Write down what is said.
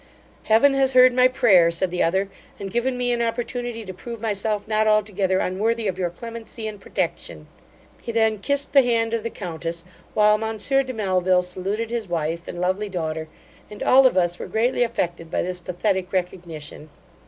'Heaven has heard my prayer (said the other), and given me an opportunity to prove myself not altogether unworthy of your clemency and protection.' He then kissed the hand of the countess, while monsieur de Melville saluted his wife and lovely daughter, and all of us were greatly affected by this pathetic recognition.